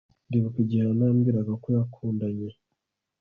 Ndibuka igihe Anna yambwiraga ko yakundanye